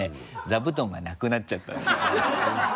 座布団がなくなっちゃったんですよ。